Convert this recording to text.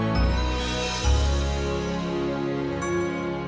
kalau saya kenapa sendiri